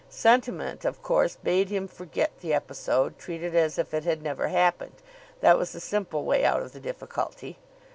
Sentiment, of course, bade him forget the episode, treat it as if it had never happened. That was the simple way out of the difficulty.